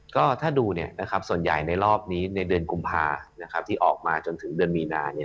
ก็ถ้าดูส่วนใหญ่ในรอบนี้ในเดือนกุมภาที่ออกมาจนถึงเดือนมีนา